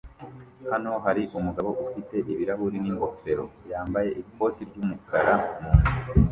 Hano hari umugabo ufite ibirahuri n'ingofero yambaye ikoti ry'umukara mu nzu